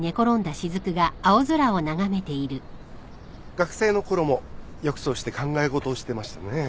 ・学生の頃もよくそうして考え事をしてましたね。